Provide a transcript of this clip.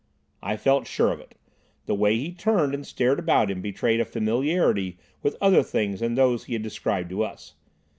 I felt sure of it. The way he turned and stared about him betrayed a familiarity with other things than those he had described to us.